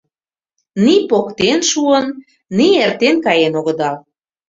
Ни поктен шуын, ни эртен каен огыдал.